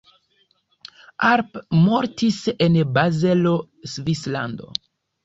Arp mortis en Bazelo, Svislando.